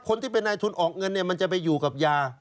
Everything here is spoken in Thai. คนที่เป็นในทุนออกเงินมันจะไปอยู่กับยา